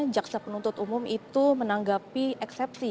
jaksa penuntut umum itu menanggapi eksepsi